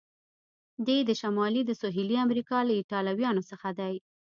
دی د شمالي که د سهیلي امریکا له ایټالویانو څخه دی؟